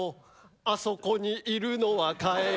あそこにいるのはかえるだよ」